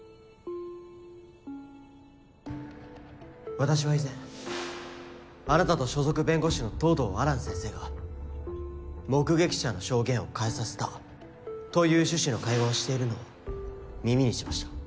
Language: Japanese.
私は以前あなたと所属弁護士の藤堂亜蘭先生が「目撃者の証言を変えさせた」という趣旨の会話をしているのを耳にしました。